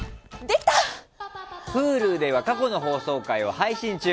Ｈｕｌｕでは過去の放送回を配信中。